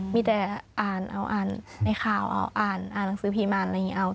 มีแต่อ่าวในข่าวในภาพหนังสือพีม่าอะไรอย่างเนี่ย